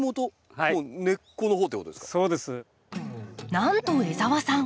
なんと江澤さん